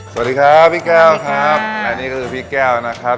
สวัสดีครับพี่แก้วครับอันนี้ก็คือพี่แก้วนะครับ